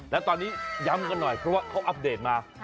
แล้วตอนนี้ย้ำกันหน่อยเพราะว่าเขาอัปเดตมา